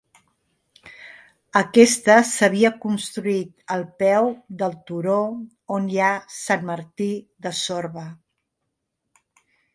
Aquesta s'havia construït al peu del turó on hi ha Sant Martí de Sorba.